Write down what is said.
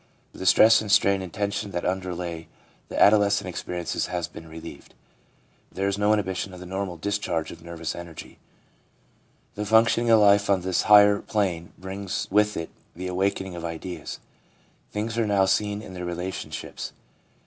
^ The stress and strain and tension that underlay the adolescent experiences has been relieved. There is no inhibition of the normal discharge of nervous energy. The functioning of life on this higher plane brings with it the awakening of ideas. Things are now seen in their relationships.